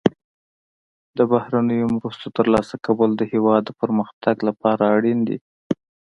د بهرنیو مرستو ترلاسه کول د هیواد د پرمختګ لپاره اړین دي.